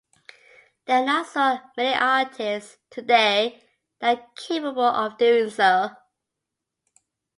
There are not so many artists today that are capable of doing so.